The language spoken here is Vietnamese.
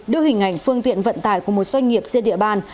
đưa hình ảnh phương tiện vận tải của một doanh nghiệp trên địa bàn